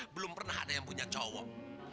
belum pernah ada yang punya cowok